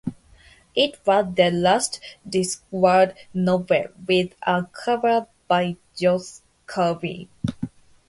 It was the last Discworld novel with a cover by Josh Kirby.